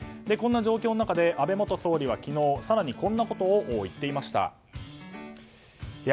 こんな状況の中で安倍元総理は更に昨日こんなことを言っていました。